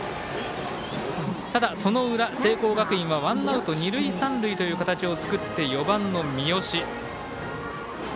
ただ、その裏、聖光学院はワンアウト、二塁三塁という形を作って４番の三好。